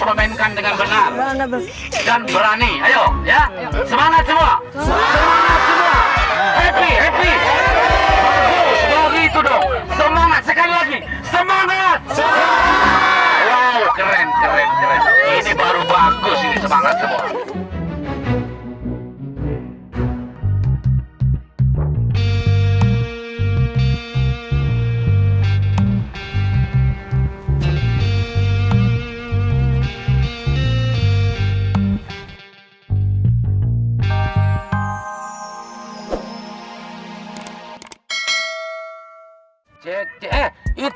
memainkan dengan benar dan berani semangat semua semangat semangat semangat semangat